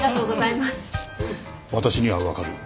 私には分かるよ。